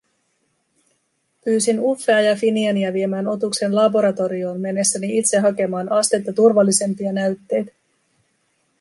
Pyysin Uffea ja Finiania viemään otuksen laboratorioon mennessäni itse hakemaan astetta turvallisempia näytteitä.